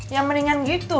ya mendingan gitu